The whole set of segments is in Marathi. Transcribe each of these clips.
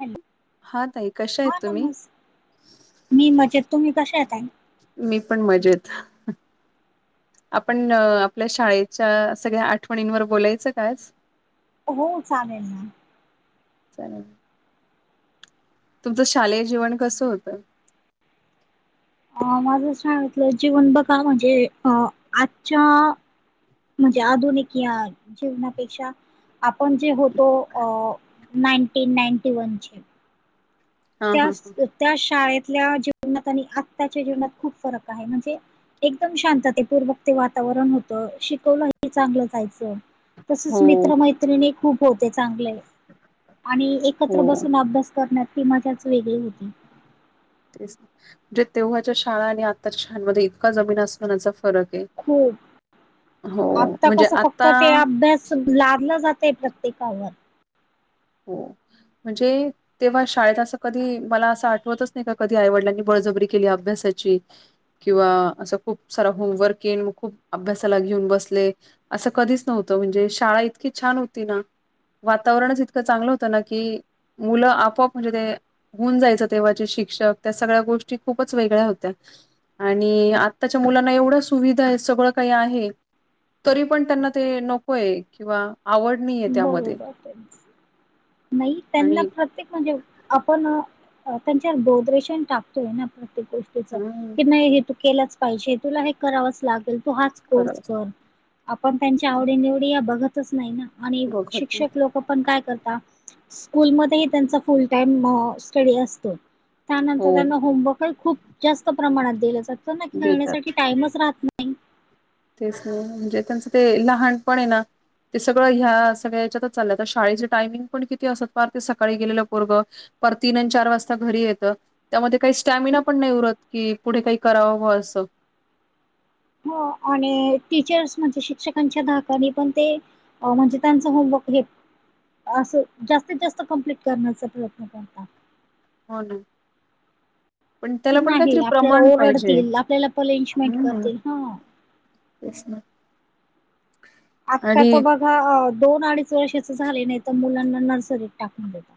हॅलो. हा ताई कश्या आहेत हा तुम्ही? नमस् मी मजेत. तुम्ही कशा आहे ताई? मी पण मजेत. आपण आपल्या शाळेच्या सगळ्या आठवणींवर बोलायचं का आज? हो चालेल ना. चालेल. तुमचं शालेय जीवन कसं होतं? अ माझं शाळेतलं जीवन बघा म्हणजे अ आजच्या म्हणजे आधुनिक या जीवनापेक्षा आपण जे होतो अ नाईनटीन नाईनटी वनचे. हा त्या हा त्या शाळेतल्या जीवनात आणि आत्ताच्या जीवनात खूप फरक आहे म्हणजे एकदम शांतते पूर्वक ते वातावरण होतं शिकवलंही चांगलं जायचं. तसच हो मित्रमैत्रिणी खूप होते चांगले आणि एक हो एकत्र बसून अभ्यास करण्यात ती मजाच वेगळी होती. तेच न, जे तेव्हाच्या शाळा आणि आताच्या शाळांमध्ये इतका जमीन आसमानाचा फरक आहे. खूप, हो [inaudible] आता म्हणजे कसं फक्त आता ते अभ्यास अस लादलं जातय प्रत्येकावर. हो, म्हणजे तेव्हा शाळेत असं कधी मला असं आठवतच नाही. का कधी आईवडिलांनी बळजबरी केली अभ्यासाची किंवा असं खूप सारा होमवर्क हे मग खूप अभ्यासाला घेऊन बसले असं कधीच नव्हतं म्हणजे शाळा इतकी छान होती ना? वातावरणच इत इतक चांगलं होतं ना की मुलं आपआप म्हणजे ते होऊन जायचं तेव्हा चे शिक्षक त्या सगळ्या गोष्टी खूपच वेगळ्या होत्या. आणि आत्ताच्या मुलांना एवढ्या सुविधा आहे सगळं काही आहे तरी पण त्यांना ते नकोय किंवा आवड नाहीये त्यामध्ये बरोबर तेच नाही त्यांना आणि प्रत्येक म्हणजे आपण त्यांच्यावर बोद्रेशन टाकतोय ना? प्रत्येक गोष्टी हं. की नाही हे तू केलाच पाहिजे तुला हे करावंच लागेल तू हाच कोर्स करावंच कर आपण त्यांच्या आवडी निवडी या बघतच नाही ना आणि बघत नाही शिक्षक लोक पण काय करता स्कूलमध्येही त्यांचा फुल टाइम स्टडी असतो. हो त्यानंतर त्यांना होमवर्कही खूप जास्त प्रमाणात दिलं जातो ना, देतात खेळण्यासाठी टाइमच राहत ना तेच ना, म्हणजे त्यांचं ते लहानपण हे ना ते सगळं ह्या सगळ्याच्यातच चाललंय. आता शाळेचे टायमिंग पण किती असत पार ते सकाळी गेलेलं पोरग पार तीन आणि चार वाजता घरी येतं. त्यामध्ये काही स्टॅमिना पण नाही उरत की, पुढे काही करावं बुवा असं. हो आणि टीचर्स म्हणजे शिक्षकांच्या धाकानी पण ते म्हणजे त्यांचं होमवर्क हे असं, जास्तीत जास्त कंप्लीट करण्याचा प्रयत्न करनार. हो ना. पण की त्याला पण नाही काहीतरी आपल्याला प्रमाण पाहिजे. ओरडतील आपल्याला पनिशमेंट हम्म करतील हा. तेच ना. आत्ताच आणि बघा, दोन अडीच वर्षाच झाले नाही तर मुलांना नर्सरीत टाकून देतात.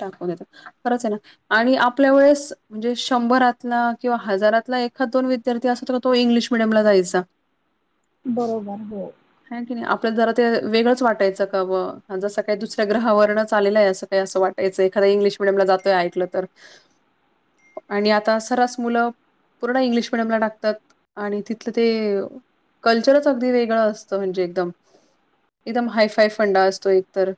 टाकून देतात. खरंच हे ना. आणि आपल्या वेळेस म्हणजे शंभरातला किंवा हजारातला एखाद दोन विद्यार्थी असतो तो इंग्लिश मिडीयमला जायचा. बरोबर हो. हा की नाही. आपल्याला जरा ते वेगळंच वाटायचं का ब जसं काही दुसऱ्या ग्रहावरनंच आलेलं आहे असं काही असं वाट वाटायचं एखाद इंग्लिश मिडियमला जातोय ऐकलं तर, आणि आता सरास मुलं पूर्ण इंग्लिश मिडियमला टाकतात, आणि तिथलं ते कल्चरच अगदी वेगळं अस म्हणजे एकदम. एकदम हाय फाय फंडा असतो एक तर.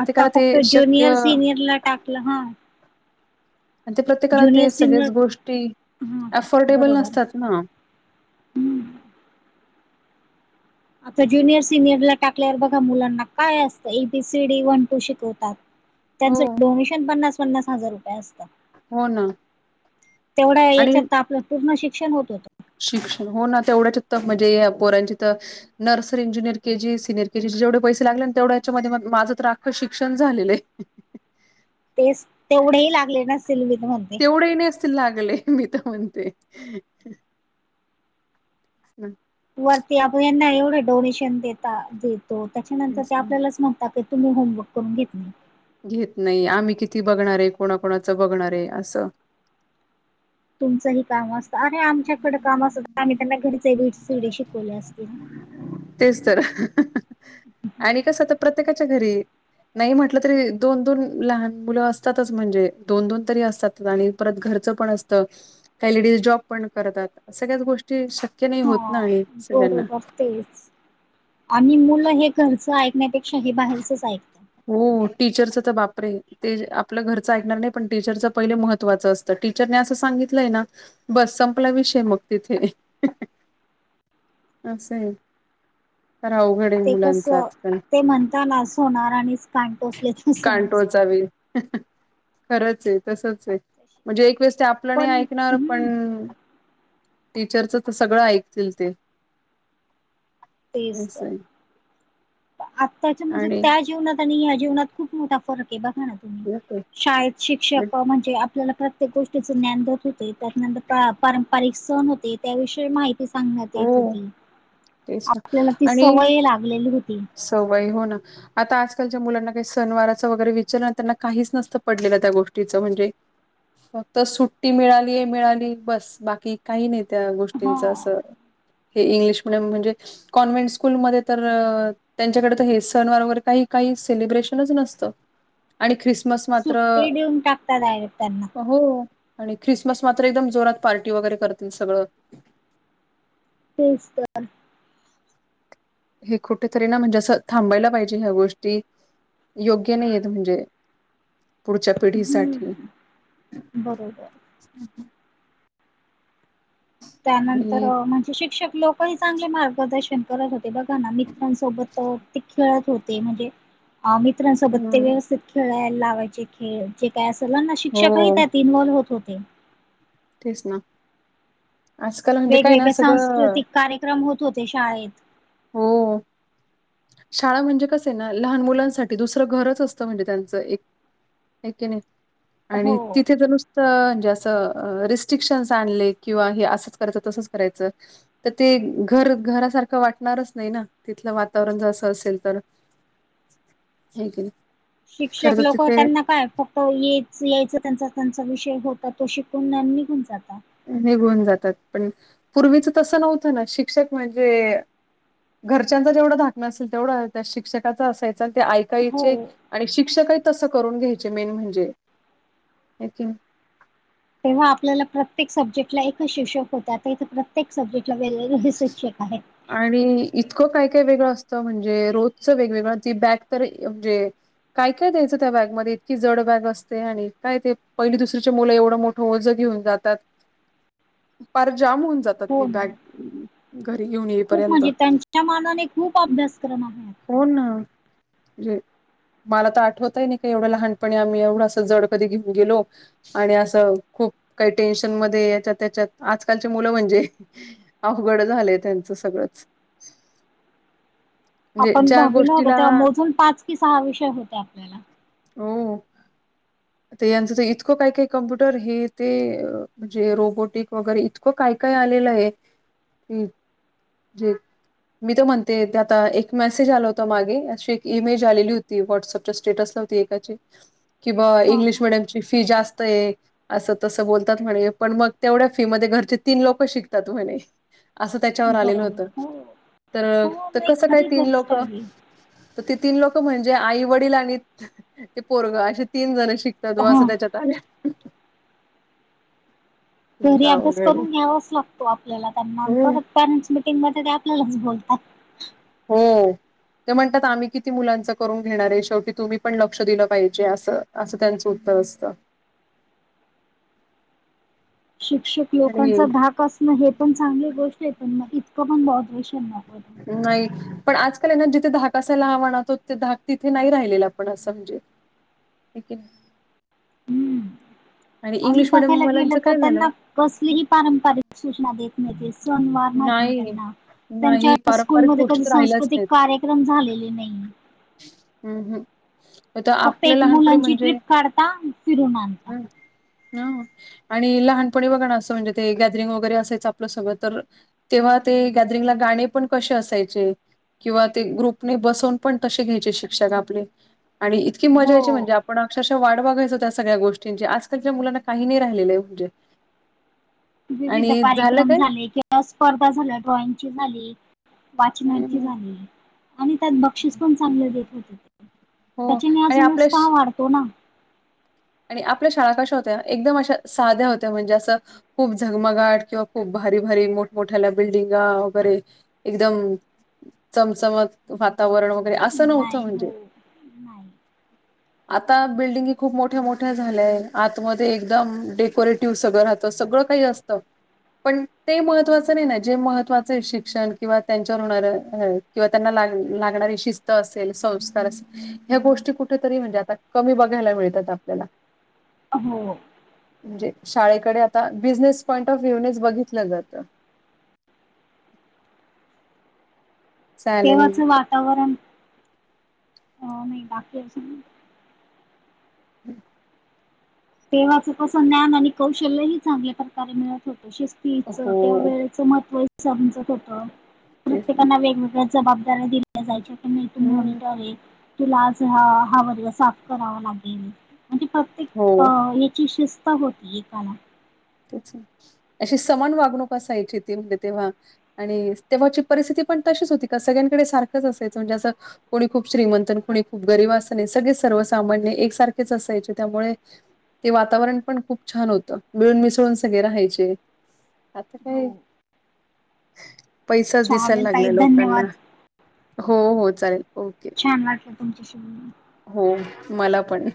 आता ते फक्त शक्य ज्युनियर सिनियर ला टाकलं हा. आणि ते प्रत्येकाला ज्युनियर ते सिनियर सगळेच गोष्टी हा हा अफोर्डेबल बरोबर नसतात ना. हम्म. आता ज्युनियर सिनियरला टाकल्यावर बघा मुलांना काय असतं एबीसीडी वन टू शिकवतात. हो त्यांचं डोनेशन पन्नास, पन्नास हजार रुपये असतं. हो ना. तेवढा आणि याच्यात आपलं पूर्ण शिक्षण होत. शिक्षण हो ना तेवढ्याचत म्हणजे पोरांची तर. Nursery, junior K G, senior केजीचे जेवढे पैसे लागले तेवढ्याच्यामध्ये माझं तर आखं शिक्षण झालेलंय. [inaudible] तेच तेवढे ही लागले नसतील [unintelligible] थोडेही नेसतील लागले मी तर म्हणते हम्म, वरती आप यांना एवढे डोनेशन देता देतो त्याच्यानंतर तेच ते ना. आपल्यालाच म्हणतात क तुम्ही होमवर्क करून घेत नाही. घेत नाही आम्ही किती बघणार आहे. कोणाकणाचं बघणार आहे असं तुमचंही काम असतं अरे आमच्याकडे काम असतं आम्ही त्यांना घरीचे वीड सिडी शिकवल्या असतील. तेच तर. ह्. आणि कसं तर प्रत्येकाच्या घरी नाही म्हटलं तरी दोन दोन लहान मुलं असतातच म्हणजे दोन दोन तरी असतात. परत घरच पण असत का लेज जॉब पण करतात सळ्या गोष्टीक हा बरोबर तेच. आणि मुलं हे घरचं ऐकण्यापेक्षा हे बाहेरचच ऐक. हो टीचरच तर बापरे ते आपलं घरचं ऐकणार नाही पण टीचरच पहिले महत्त्वाचं असत. तर टीचरने असं सांगितलंय ना बस संपला विषय मग तिथे अस सं तर अवघड. आहे ते कस मुलांचा आजकाल ते म्हणताना अस होणार आणिच पान टोचलेच समजत. कानटोळचा वेल खरंच आहे तस म्हणजे एक वेळेस ते आपल्या नाही. पण ऐकणार पण हम्म टीचरचं तर सगळं ऐकतील ते. तेजत. अस आहे आत्ताच्या म्हणजे आणि त्या जीवनात आणि ह जीवनात खूप मोठा फरक आहे. बघा ना तुम्ही शाळेत बट शिक्षक म्हणजे आपल्याला प्रत्येक गोष्टीच ज्ञान देत होते त्यानंतर पारंपरिक सण होते. त्याविषयी माहिती सांगण्यात हो येत होती, तेच ना आपल्याला ती आणि सवय लागलेली होती. सवय हो ना आता आजकालच्या मुलांना काही सनवाराचं वगैरे विचारण त्यांना काहीच नसत पडलेलं त्या गोष्टीचं म्हणजे. फक्त सुट्टी मिळाली आहे मिळाली बस बाकी काही नाही त्या हा गोष्टींच असं. हे इंग्लिश मिडियम म्हणजे कॉन्व्हेंट स्कूलमध्ये तर. त्यांच्याकडे तर हे सण वरोगर काही काही सेलिब्रेशनच नसतं. आणि ख्रिसमस मात्र सुट्टी देऊन टाकता डायरेक्ट त्यांना हो आणि ख्रिसमस मात्र एकदम जोरात पार्टी वगैरे करतील सगळं. तेस तर. हे कुठेतरी ना म्हणजे असं थांबायला पाहिजे ह्या गोष्टी. योग्य नाही येत म्हणजे पुढच्या पिढीसाठी. हम्म बरोबर. हम् हम. त्यानंतर आणि म्हणजे शिक्षक लोकही चांगले मार्गदर्शन. करत होते बघा ना मित्रांसोबत ते खेळत होते म्हणजे. अ मित्रांसोबत ते हं, व्यवस्थित खेळायला लावायचे खेळ, जे काय असल ना, हो शिक्षकही त्यात इन्वल होत होते. तेच ना. आजकाल म्हणजे काय ना वेगवेगळे सगळं सांस्कृतिक कार्यक्रम होत होते शाळेत. हो. शाळा म्हणजे कसंय ना, लहान मुलांसाठी दुसरं घरच असतं म्हणजे त्यांचं एक. हाय की नाय, आणि हो तिथे तर नुस त म्हणजे रिस्ट्रिक्शन्स आणले किंवा हे असंच करायचं तसंच करायचं तर ते घर घरासारखं वाट णारच नाही ना, तिथलं वातावरण जर असं असेल तर, हाय की नाही. खर शिक्षक तर लोक तिथे त्यांना काय फक्त च यायच त्यांचा त्यांचा विषय होता तो शिकून निघून जाता. निघन जातात, पण पूर्वीच तसं नव्हतं ना शिक्षक म्हणजे घरच्यांचा जेवढा धाक नसायचा तेवढा त्या शिक्षकाचा असायचा, ते हो ऐकायचे, आणि शिक्षकही तसं करून घ्यायचे मेन म्हणजे तेव्हा आपल्याला प्रत्येक सब्जेक्टला एकच शिक्षक होते, आता इथं प्रत्येक सब्जेक्टला वेगळे शिक्षक आहेत. आणि इतकं काय काय वेगळं असतं म्हणजे रोजचं वेगवेगळं, ती बॅग तर म्हणजे काय काय द्यायचं त्या बॅगमध्येध्ये इतकी जड बॅग असते आणि काय ते पहिली दुसरीचे मुलं एवढं मोठं ओझ घेऊन जात तात, पार जाम होऊन जातात हो ती ना बॅग घरी घेऊन खूप येईपर्यंत, म्हणजे त्यांच्या मानाने खूप अभ्यासक्रम आहे आता. हो न जे मला तर आठवतही नाही का एवढं लहानपणी आम्ही एवढं असं जड कधी घेऊन गेलो आणि असं खूप काही टेन्शन मध्ये याच्यात त्याच्यात, आजकालची मुलं म्हणजे अवघड झालंय त्यांचं सगळंच. म्हणजे आपण ज्या दहावीला होतो गोष्टीला तेव्हा, मोजून पाच की सहा विषय होते आपल्याला. हो. ते यांचं तर इतकं काय काय कम्प्युटर हे ते म्हणजे रोबोटिक वगैरे इतकं काय काय आलेलं आहे की जे मी तर म्हणते ते आता एक मेसेज आला होता मागे अशी एक ईमेज आलेली होती व्हॉट्सअपच्या स्टेटसला एकाची किंवा हा हा. इंग्लिश मिडियम ची फी जास्त हे. असं तसं बोलतात म्हणे पण मग तेवढ्या फी मध्ये घरचे तीन लोक शिकतात म्हणे. असं त्याच्यावर आलेलं बरोबर होत हो तर, हो नाही कसं काय खरी तीन गोष्ट लोक आहे ही. तर ते तीन लोक म्हणजे आई वडील आणि ते पोरगं असे तीन जण शिक त्यात असं हा त्याच्यात आ घरी अभ्यास करून घ्यावाच लागतो आपल्याला त्यांना, हो परत पॅरेंट्स मिटिंगमध्ये ते आपल्यालाच बोलतात. हो. ते म्हणतात आम्ही किती मुलांचं करून घेणार आहे, शेवटी तुम्ही पण लक्ष दिलं पाहिजे असं. असं त्यांच उत्तर असतं. शिक्षक अरे! लोकांचा धाक असणं हे पण चांगली गोष्ट आहे पण ना इतकं पण बॉड्रेशन नाही नाही पण आजकाल ये ना जिथे धाक असायला हवा ना तो ते धाक तिथे नाही राहिलेला पण असं म्हणजे [unintelligible] हम्म. आणि इंग्लिश मिडियम बघायला गेलं वाल्यांचं तर काय त्यांना झालं? कसलीही पारंपरिक सूचना देत म्हणजे सन्मान माहिती नाही त्यांना, त्यांच्या नाही स्कूल पारंपरिक मध्ये गोष्टी कधी तर राहिल्याच सांस्कृतिक कार्य क्रम झालेली नाही. हम् हम्. फक्त एक मुलांची ट्रिप काढता फिरून आणता. हा आणि लहानपणी बघा ना असं म्हणजे ते गॅदरिंग वगैरे असायचं आपलं सगळं तर तेव्हा ते गॅदरिंगला गाणे पण कसे असायचे किंवा ते ग्रुपने बसवून पण कसे घ्यायचे शिक्षक आपले आणि इतकी मजा यायची हो म्हणजे आप पण अक्षरशः वाढवागायचो त्या सगळ्या गोष्टींची आजकालच्या मुलांना काही नाही राहिलेलं आहे म्हणजे विविध आणि झालं कार्यक्रम काय झाले किंवा स्पर्धा झाल्या ड्रॉइंग ची झाली वाचनाची हं, झाली आणि त्यात बक्षीस पण चांगले देत होत हो त्याचे मी आज आणि आपल्या श नुसता वाढतो ना आणि आपल्या शाळा कशा होत्या एकदम अशा साध्या होत्या म्हणजे असं खूप झगमगाट किंवा खूप भारी, भारी मोठमोठ्याला बिल्डिंगा वगैरे. एकदम चमचमत. वातावरण वगैरे असं नव्हतं नाही म्हणजे हो नाही आता बिल्डिंगी खूप मोठी मोठ्या मोठ्या झाल्याय आतमध्येध्ये एकदम डेकोरेटिव्ह सगळं राहतं सगळं काही असतं पण ते महत्त्वाचं नाही ना जे महत्त्वाचं आहे शिक्षण किंवा त्यांच्यावर होणारं किंवा त्यांना लाग लागणारी शिस्त असेल, संस्कार असेल. ह्या गोष्टी कुठेतरी म्हणजे आता कमी बघायला मिळतात आपल्याला हो. म्हणजे शाळेकडे आता बिझनेस पॉईंट ऑफ व्ह्यू नच बघितलं जातं. चालेल तेव्हाच वातावरण अ नाही बाकी अस हम्. तेव्हाच तसं ज्ञान आणि कौशल्यही चांगल्या प्रकारे मिळत होतं, सिथित हो वेळ. महत्त्व समजत होत तेच ना प्रत्येकाना वेगवेगळ्या जबाबदाऱ्या दिल्या जायच्या हम्म तोलटवर [unintelligible] तुला आज हा वर्ग साफ करावा लागेल. म्ह प्रत्येक हो अ याची शिस्त होती एकाला ते अशी समान वागणूक असायची ती म्हणजे तेव्हा. आणि तेव्हाची परिस्थिती पण तशीच होती, का सगळ्यांकडे सारखंच असायचं म्हणजे असं. कोणी खूप श्रीमंतन कोणी खूप गरीब असन हे सगळे सर्वसामान्य एकसारखेच असायचे त्यामुळे. ते वातावरण पण खूप छान होतं मिळून मी सगळे राहायचे, आता काय. हो पैसाच दिसायला चालेल ताई लागला लोकांना. धन्यवाद हो हो चालेल ओके. छान लागलं तुमच्या स हो मला पण